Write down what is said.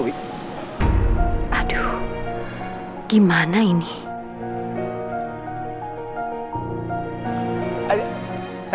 terima kasih bekas ah